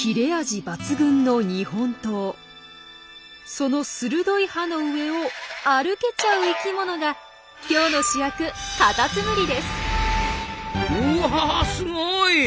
その鋭い刃の上を歩けちゃう生きものが今日の主役うわすごい！